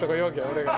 俺が。